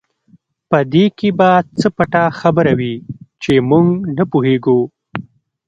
په دې کې به څه پټه خبره وي چې موږ نه پوهېږو.